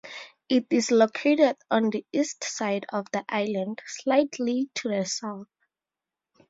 It is located on the east side of the island, slightly to the south.